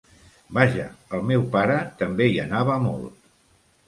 Vaja, el meu pare també hi anava molt.